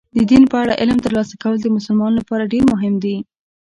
د دین په اړه علم ترلاسه کول د مسلمان لپاره ډېر مهم دي.